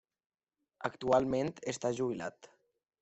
Actualment està jubilat.